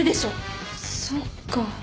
そっか。